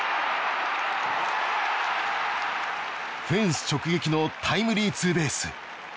フェンス直撃のタイムリーツーベース。